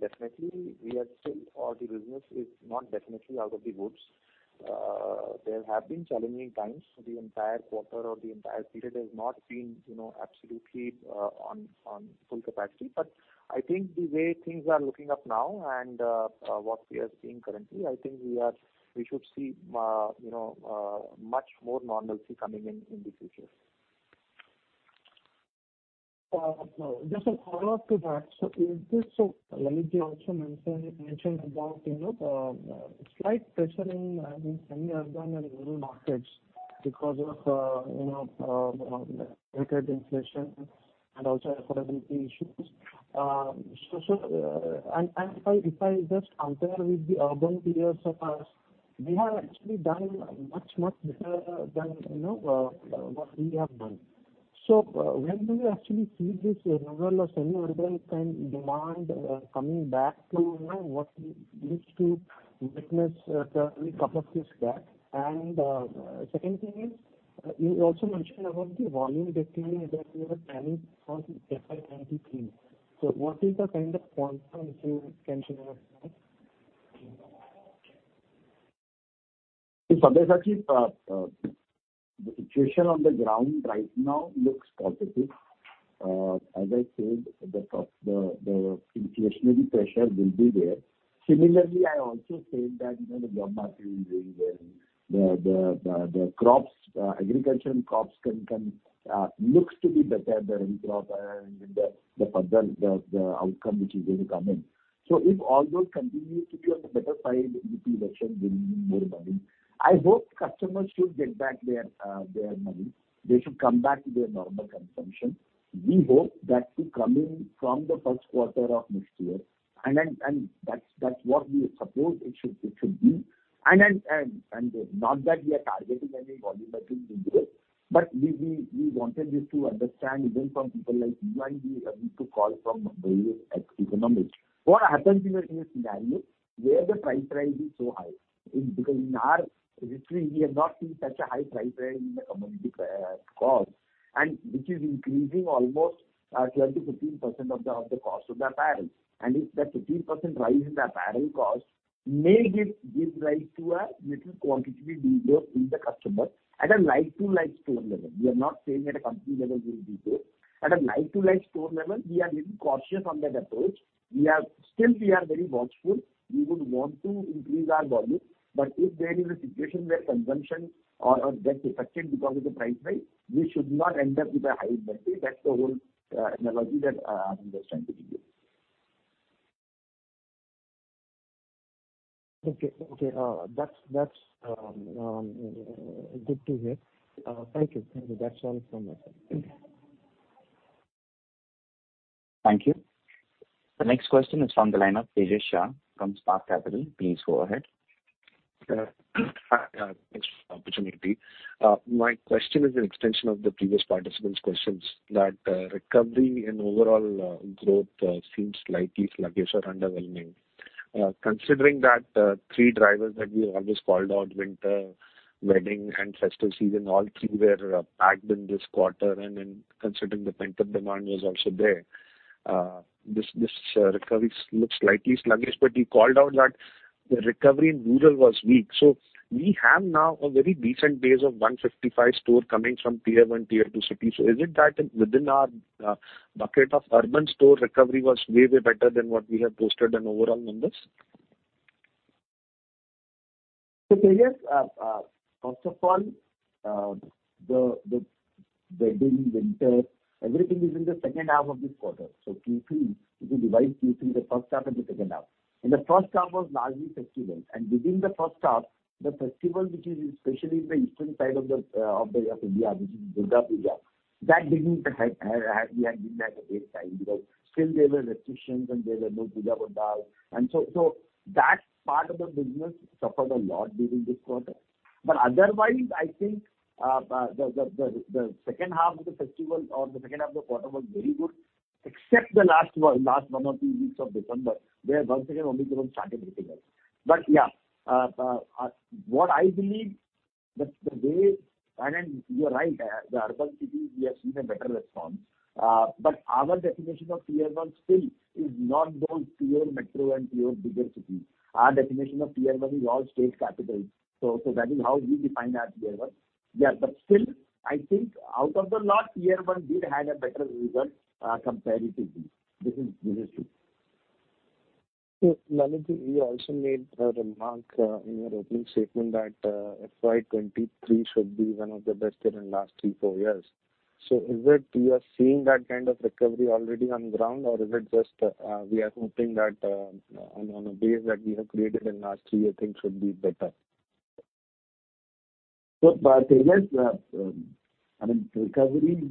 Definitely we are still, or the business is not definitely out of the woods. There have been challenging times. The entire quarter or the entire period has not been absolutely on full capacity. I think the way things are looking up now and what we are seeing currently, I think we should see much more normalcy coming in in the future. Just a follow-up to that. Lalit also mentioned about, you know, slight pressure in, I mean, semi-urban and rural markets because of record inflation and also affordability issues. If I just compare with the urban peers of ours, they have actually done much better than, you know, what we have done. When do you actually see this rural or semi-urban kind demand coming back to, you know, what we used to witness a couple of years back? Second thing is, you also mentioned about the volume decline that you are planning for the FY 2023. What is the kind of confidence you can share with us? See, Sabyasachi, the situation on the ground right now looks positive. As I said, the inflationary pressure will be there. Similarly, I also said that, you know, the job market is doing well. The crops, agriculture and crops can look to be better than the crop in the further outcome which is going to come in. If all those continue to be on the better side, the consumption will be more volume. I hope customers should get back their money. They should come back to their normal consumption. We hope that to come in from the Q1 of next year. That's what we suppose it should be. Not that we are targeting any volume between this, but we wanted just to understand even from people like you and we are having calls from various economists. What happens in a scenario where the price rise is so high? Because in our history we have not seen such a high price rise in the commodity cost, and which is increasing almost 10% to 15% of the cost of the apparel. If that 15% rise in the apparel cost may give rise to a little quantity behavior in the customer at a like-to-like store level. We are not saying at a company level will be so. At a like-to-like store level, we are little cautious on that approach. Still we are very watchful. We would want to increase our volume. If there is a situation where consumption or gets affected because of the price rise, we should not end up with a high inventory. That's the whole, analogy that, I'm just trying to give you. Okay. That's good to hear. Thank you. That's all from my side. Thank you. Thank you. The next question is from the line of Tejas Shah from Spark Capital. Please go ahead. Yeah. Thanks for the opportunity. My question is an extension of the previous participants' questions that recovery and overall growth seems slightly sluggish or underwhelming. Considering that three drivers that we always called out, winter, wedding, and festive season, all three were packed in this quarter, and then considering the pent-up demand was also there. This recovery looks slightly sluggish, but you called out that the recovery in rural was weak. So we have now a very decent base of 155 stores coming from tier one, tier two cities. So is it that within our bucket of urban store recovery was way better than what we have posted on overall numbers? Tejas, first of all, the wedding, winter, everything is in the second half of this quarter. Q3, if you divide Q3, the first half and the second half. The first half was largely festivals. Within the first half, the festival which is especially in the eastern side of India, which is Durga Puja, that didn't have a great time because still there were restrictions and there were no puja pandals. That part of the business suffered a lot during this quarter. Otherwise, I think, the second half of the festival or the second half of the quarter was very good, except the last one or two weeks of December, where once again Omicron started hitting us. Yeah, what I believe that the way. You are right. The urban cities we have seen a better response. Our definition of tier one still is not those pure metro and pure bigger cities. Our definition of tier one is all state capitals. That is how we define our tier one. Yeah, but still, I think out of the lot, tier one did have a better result, comparatively. This is true. Mr. Lalit Agarwal, you also made a remark in your opening statement that FY 2023 should be one of the best year in last three, four years. Is it you are seeing that kind of recovery already on ground or is it just we are hoping that on a base that we have created in last three year things should be better? Tejas, I mean, recovery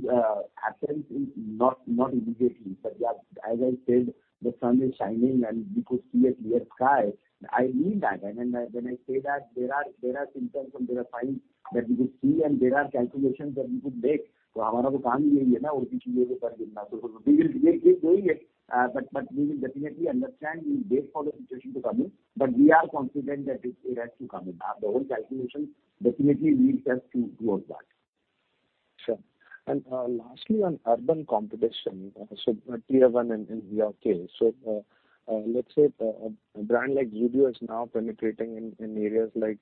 happens not immediately. Yeah, as I said, the sun is shining and we could see a clear sky. I mean that. When I say that there are symptoms and there are signs that we could see and there are calculations that we could make. We will keep doing it. But we will definitely understand we wait for the situation to come in, but we are confident that it has to come in. The whole calculation definitely leads us towards that. Sure. Lastly on urban competition, tier one and we are okay. Let's say a brand like Zudio is now penetrating in areas like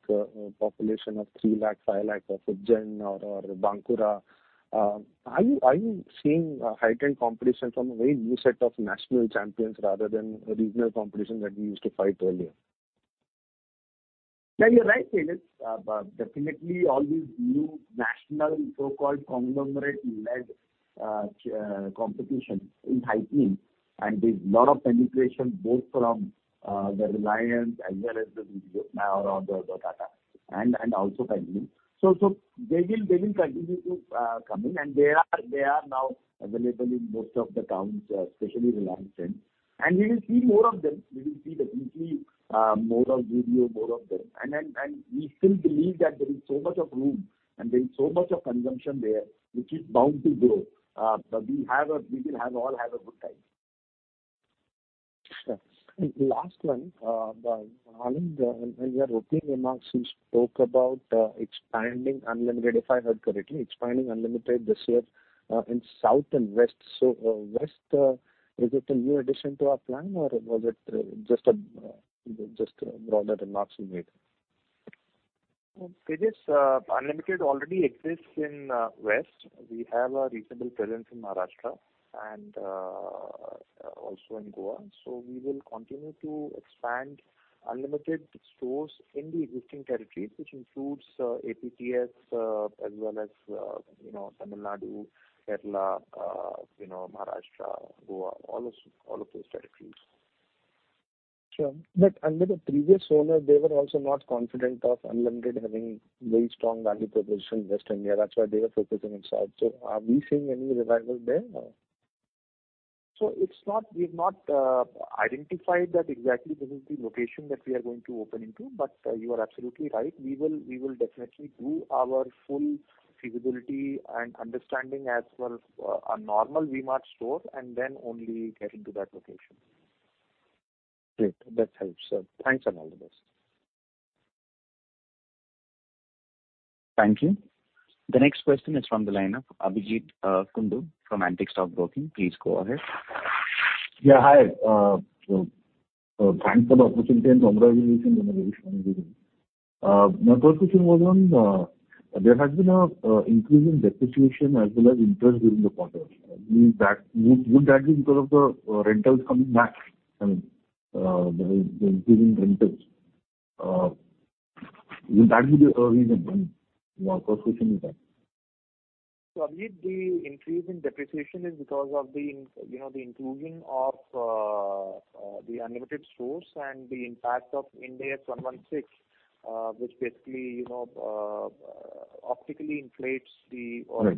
population of 3 lakh, 5 lakh of Ujjain or Bankura. Are you seeing heightened competition from a very new set of national champions rather than regional competition that we used to fight earlier? No, you're right, Tejas. But definitely all these new national so-called conglomerate-led competition is heightening, and there's a lot of penetration both from the Reliance as well as the Zudio or the Tata and also Technopak. They will continue to come in, and they are now available in most of the towns, especially Reliance Trends. We will see more of them. We will see more of Zudio, more of them. We still believe that there is so much room and there is so much consumption there, which is bound to grow. We will all have a good time. Sure. Last one, Anand, in your opening remarks, you spoke about expanding Unlimited, if I heard correctly, expanding Unlimited this year in South and West. West, is it a new addition to our plan or was it just broader remarks you made? Tejas, Unlimited already exists in West. We have a reasonable presence in Maharashtra and also in Goa. We will continue to expand Unlimited stores in the existing territories, which includes AP/TS as well as you know Tamil Nadu, Kerala you know Maharashtra, Goa, all of those territories. Sure. Under the previous owner, they were also not confident of Unlimited having very strong value proposition in Western India. That's why they were focusing inside. Are we seeing any revival there or? We've not identified that exactly this is the location that we are going to open into. You are absolutely right. We will definitely do our full feasibility and understanding as well for a normal V-Mart store and then only get into that location. Great. That helps, sir. Thanks, and all the best. Thank you. The next question is from the line of Abhijeet Kundu from Antique Stock Broking. Please go ahead. Yeah, hi. Thanks for the opportunity and congratulations on the very strong results. My first question was on the increase in depreciation as well as interest during the quarter. Would that be because of the rentals coming back? I mean, the increasing rentals. Would that be the reason then? My first question is that. Abhijeet, the increase in depreciation is because of, you know, the inclusion of the Unlimited stores and the impact of Ind AS 116, which basically, you know, optically inflates the Right. for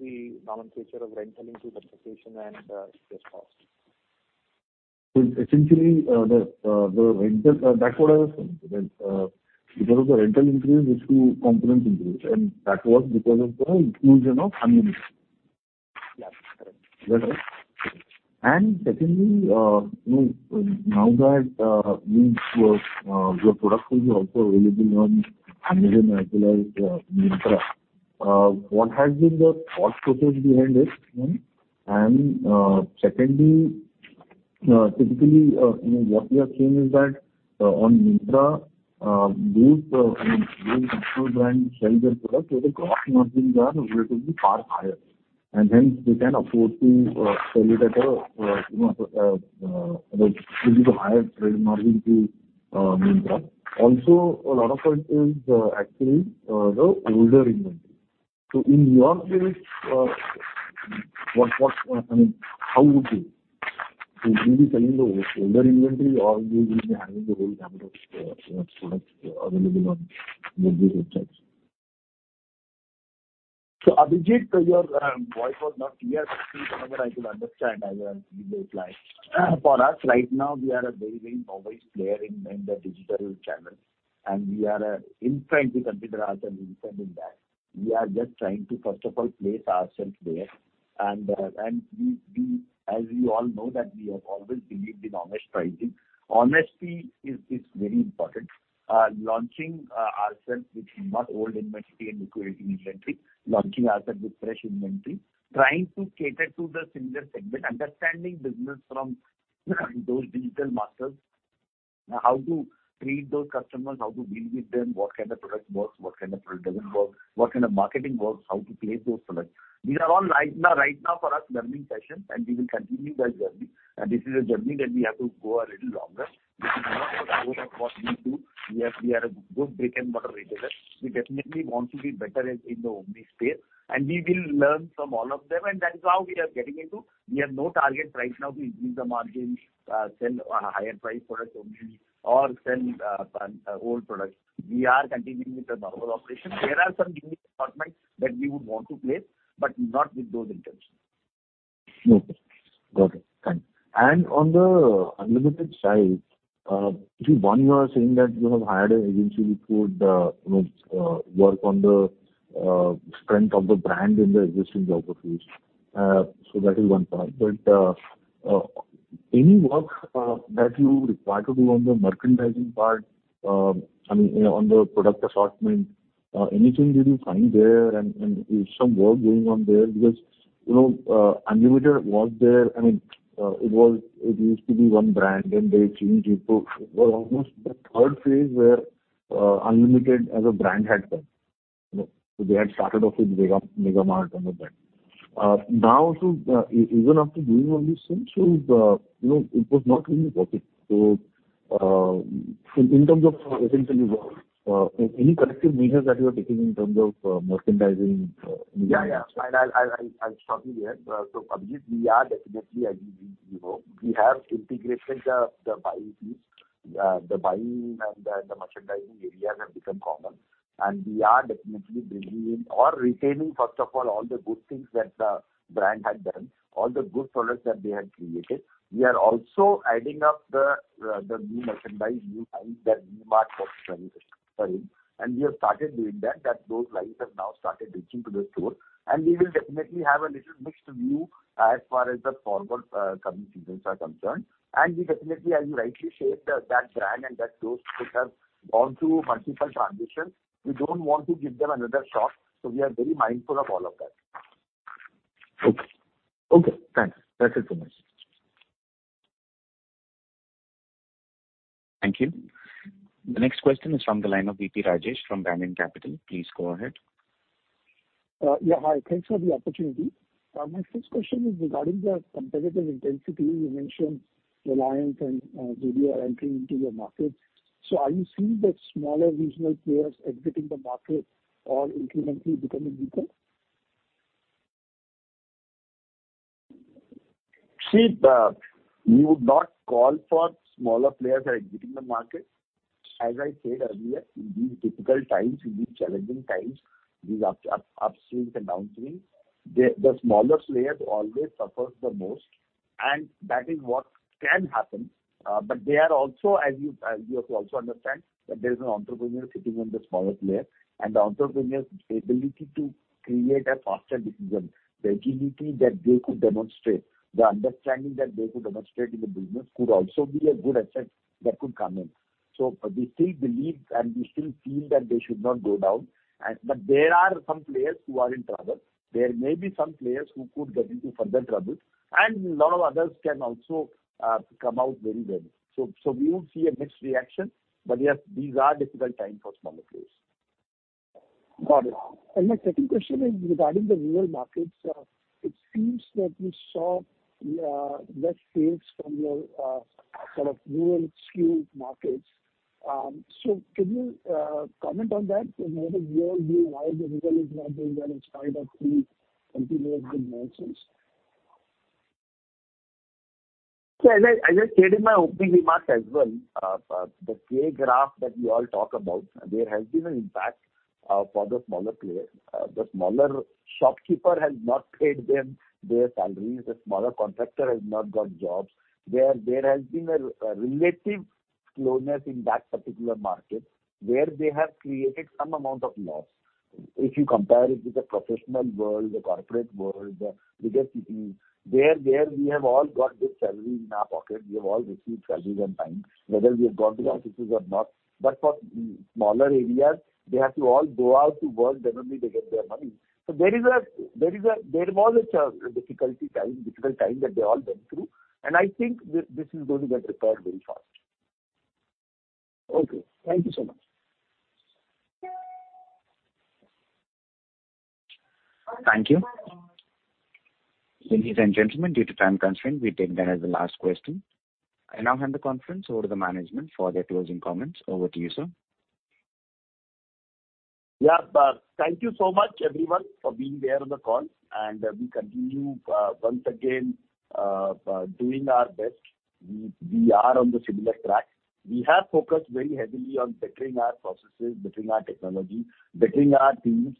the nomenclature of rental into depreciation and interest cost. Essentially, the rental that's what I was referring to, that because of the rental increase which two components increase, and that was because of the inclusion of Unlimited. Yeah, correct. Is that right? Yes. Secondly, you know, now that your product will be also available on Amazon as well as Myntra, what has been the thought process behind it? Secondly, typically, you know, what we are seeing is that on Myntra, those, I mean, those control brands sell their products where the gross margins are relatively far higher, and hence they can afford to sell it at a, you know, like give you the higher trade margin to Myntra. Also a lot of it is actually the older inventory. So in your case, I mean, how would you? Would you be selling the older inventory or you will be having the whole gamut of, you know, products available on both these websites? Abhijeet, your voice was not clear. Sometimes I could understand as well as you reply. For us right now we are a very novice player in the digital channel, and in fact we consider ourselves an incumbent in that. We are just trying to, first of all, place ourselves there. As you all know that we have always believed in honest pricing. Honesty is very important. Launching ourselves with not old inventory and liquidating inventory, launching ourselves with fresh inventory, trying to cater to the similar segment, understanding business from those digital masters, how to treat those customers, how to deal with them, what kind of product works, what kind of product doesn't work, what kind of marketing works, how to place those products. These are all right now for us learning sessions, and we will continue that journey. This is a journey that we have to go a little longer. This is not what I would have got me to. We are a good brick-and-mortar retailer. We definitely want to be better in the omni space, and we will learn from all of them, and that is how we are getting into. We have no target right now to increase the margins, sell higher priced products only or sell old products. We are continuing with the normal operation. There are some unique assortments that we would want to place, but not with those intentions. Okay. Got it. Thank you. On the Unlimited side, one, you are saying that you have hired an agency which would, you know, work on the strength of the brand in the existing geographies. That is one part. Any work that you require to do on the merchandising part, I mean on the product assortment, anything did you find there? Is some work going on there? Because, you know, Unlimited was there. I mean, it used to be one brand, then they changed it to or almost the third phase where Unlimited as a brand had come. They had started off with Mega Mart and all that. Now, you know, it was not really working. In terms of essentially what any corrective measures that you are taking in terms of merchandising. Yeah, yeah. I'll stop you there. Abhijeet, we are definitely, as you know, we have integrated the buying teams. The buying and the merchandising areas have become common. We are definitely bringing in or retaining, first of all the good things that the brand had done, all the good products that they had created. We are also adding up the new merchandise, new lines that V-Mart was running, sorry. We have started doing that, those lines have now started reaching to the store. We will definitely have a little mixed view as far as the forward coming seasons are concerned. We definitely, as you rightly said, that brand and that store, which have gone through multiple transitions, we don't want to give them another shock, so we are very mindful of all of that. Okay. Okay, thanks. That's it from my side. Thank you. The next question is from the line of V.P. Rajesh from Banyan Capital. Please go ahead. Hi. Thanks for the opportunity. My first question is regarding the competitive intensity. You mentioned Reliance and other entering into your market. Are you seeing that smaller regional players exiting the market or increasingly becoming weaker? See, we would not call for smaller players are exiting the market. As I said earlier, in these difficult times, in these challenging times, these upstream and downstream, the smaller players always suffers the most, and that is what can happen. But they are also, as you have to also understand that there's an entrepreneur sitting on the smaller player, and the entrepreneur's ability to create a faster decision, the agility that they could demonstrate, the understanding that they could demonstrate in the business could also be a good asset that could come in. We still believe and we still feel that they should not go down. There are some players who are in trouble. There may be some players who could get into further trouble, and a lot of others can also come out very well. We don't see a mixed reaction. Yes, these are difficult times for smaller players. Got it. My second question is regarding the rural markets. It seems that you saw less sales from your sort of rural skewed markets. Can you comment on that and maybe your view why the rural is not doing well in spite of the continuous good monsoons? As I said in my opening remarks as well, the K-shaped graph that we all talk about, there has been an impact for the smaller player. The smaller shopkeeper has not paid them their salaries. The smaller contractor has not got jobs. Where there has been a relative slowness in that particular market where they have created some amount of loss. If you compare it with the professional world, the corporate world, the bigger cities, where we have all got good salaries in our pocket, we have all received salaries on time, whether we have gone to our offices or not. For smaller areas, they have to all go out to work regularly to get their money. There was a difficult time that they all went through. I think this is going to get repaired very fast. Okay. Thank you so much. Thank you. Ladies and gentlemen, due to time constraint, we take that as the last question. I now hand the conference over to the management for their closing comments. Over to you, sir. Yeah, thank you so much everyone for being there on the call. We continue once again doing our best. We are on the similar track. We have focused very heavily on bettering our processes, bettering our technology, bettering our teams,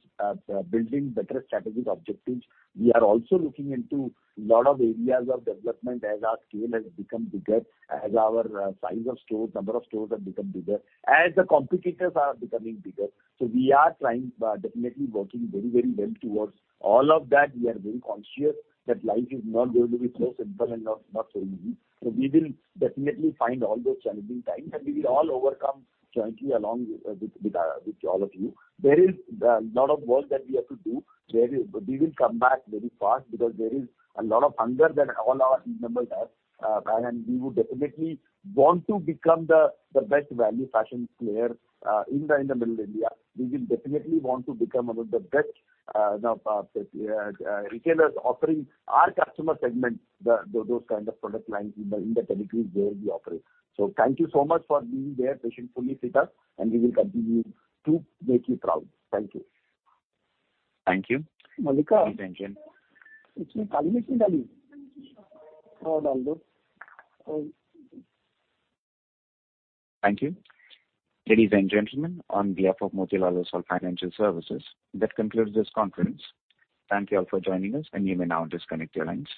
building better strategic objectives. We are also looking into lot of areas of development as our scale has become bigger, as our size of stores, number of stores have become bigger, as the competitors are becoming bigger. We are trying, but definitely working very, very well towards all of that. We are very conscious that life is not going to be so simple and not so easy. We will definitely find all those challenging times, and we will all overcome jointly along with all of you. There is a lot of work that we have to do. We will come back very fast because there is a lot of hunger that all our team members have. We would definitely want to become the best value fashion player in the middle India. We will definitely want to become one of the best retailers offering our customer segment those kind of product lines in the territories where we operate. Thank you so much for being there patiently with us, and we will continue to make you proud. Thank you. Thank you. Ladies and gentlemen, on behalf of Motilal Oswal Financial Services, that concludes this conference. Thank you all for joining us, and you may now disconnect your lines.